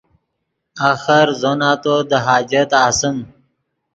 آخر زو نتو دے حاجت آسیم